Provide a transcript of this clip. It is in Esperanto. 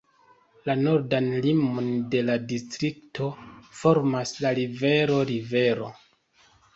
La nordan limon de la distrikto formas la rivero rivero.